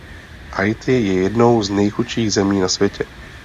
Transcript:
Haiti je jednou z nejchudších zemí na světě.